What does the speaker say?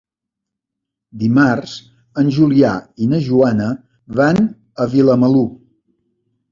Dimarts en Julià i na Joana van a Vilamalur.